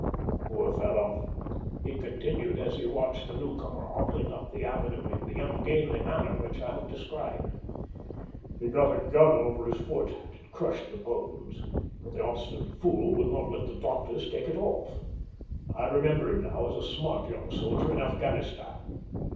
"Poor fellow!" he continued, as he watched the newcomer hobbling up the avenue in the ungainly manner which I have described. "He got a gun over his foot, and it crushed the bones, but the obstinate fool would not let the doctors take it off. I remember him now as a smart young soldier in Afghanistan.